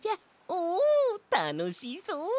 おおたのしそう！